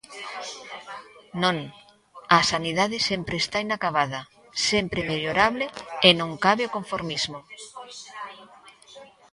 Non, a sanidade sempre está inacabada, sempre é mellorable e non cabe o conformismo.